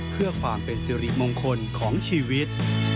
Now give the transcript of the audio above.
เพื่อความเป็นสิริมงคลของชีวิต